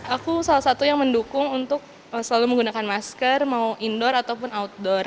aku salah satu yang mendukung untuk selalu menggunakan masker mau indoor ataupun outdoor